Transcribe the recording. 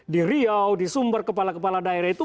di riau di sumber kepala kepala daerah itu